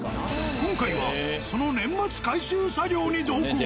今回はその年末回収作業に同行。